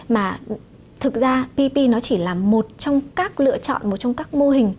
mà thực ra ppp nó chỉ là một trong các lựa chọn một trong các mô hình